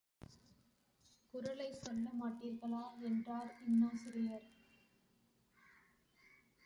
குறளைச் சொல்லமாட்டீர்களா? என்றார் இன்னாசியார்.